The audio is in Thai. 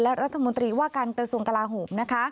และรัฐมนตรีว่าการเปิดส่วนกลาหุม